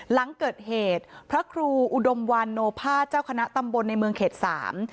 หลังเกิดเหตุพระครูอุดมวันโนภาษเจ้าคณะตำบลในเมืองเขตสาม